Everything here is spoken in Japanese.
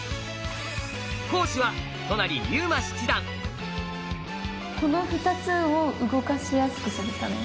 講師はこの２つを動かしやすくするため？